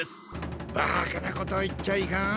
バカなことを言っちゃいかん。